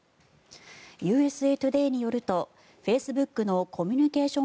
ＵＳＡトゥデーによるとフェイスブックのコミュニケーション